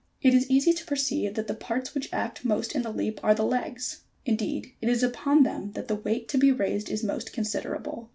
It is easy to perceive that the parts which act most in the leap are the legs: indeed, it is upon them that the weight to.be raised is most considerable.